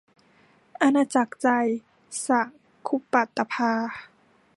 อาณาจักรใจ - ส คุปตาภา